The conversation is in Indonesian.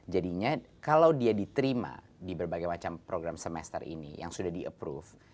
jadinya kalau dia diterima di berbagai macam program semester ini yang sudah di approve